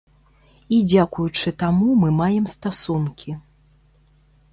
І дзякуючы таму мы маем стасункі.